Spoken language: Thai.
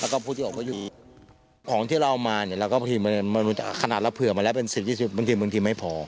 ของที่เราเอามาขนาดเราเผื่อมาแล้วเป็น๑๐๒๐บาทบางทีไม่พอ